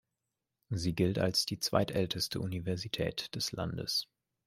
Sie gilt als die zweitälteste Universität des Landes.